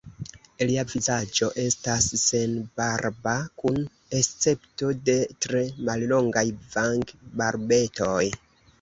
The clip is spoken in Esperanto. Lia vizaĝo estas senbarba kun escepto de tre mallongaj vangbarbetoj.